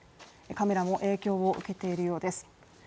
カメラも影響を受けているようです。